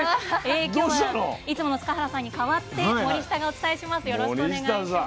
今日はいつもの塚原さんに代わって森下がお伝えします。